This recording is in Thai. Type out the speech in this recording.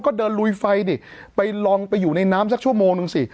ก็เดินลุยไฟดิไปลองไปอยู่ในน้ำสักชั่วโมงนึงสิ